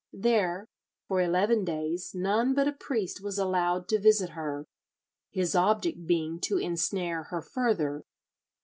There, for eleven days, none but a priest was allowed to visit her, his object being to ensnare her further.